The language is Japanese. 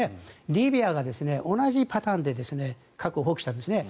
リビアが同じパターンで核を放棄したんですね。